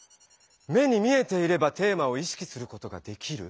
目に見えていれば「テーマをいしきすることができる」。